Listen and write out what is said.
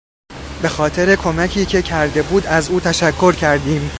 به خاطر کمکی که کرده بود از او تشکر کردیم.